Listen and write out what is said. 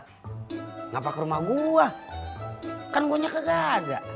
kenapa ke rumah gue kan gue nyaka gak ada